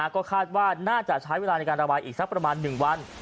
ก็คาดว่าน่าจะใช้เวลาในการระบายอีกสักประมาณ๑วัน